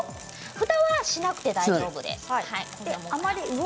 ふたはしなくて大丈夫です。